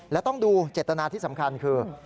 และต้องดูเจตนาที่สำคัญคือ